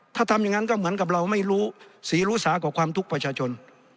ถ้าทำอย่างนั้นก็เหมือนกับเราไม่รู้ศรีรู้สากว่าความทุกข์ประชาชน